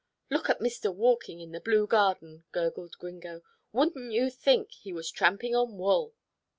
"Look at mister walking in the blue garden," gurgled Gringo. "Wouldn't you think he was tramping on wool?"